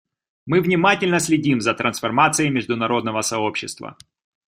Мы внимательно следим за трансформацией международного сообщества.